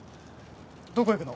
どこ行くの？